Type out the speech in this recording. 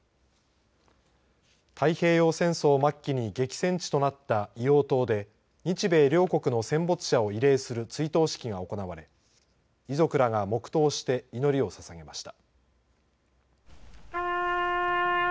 太平洋戦争末期に激戦地となった硫黄島で日米両国の戦没者を慰霊する追悼式が行われ遺族らが黙とうして祈りをささげました。